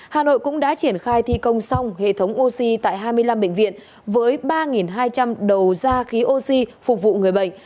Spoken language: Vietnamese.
hà nội cũng đã triển khai thi công xong hệ thống oxy tại hai mươi năm bệnh viện với ba hai trăm linh đầu da khí oxy phục vụ người bệnh